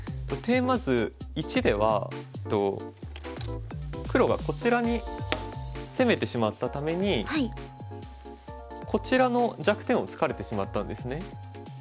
テーマ図１では黒がこちらに攻めてしまったためにこちらの弱点をつかれてしまったんですね。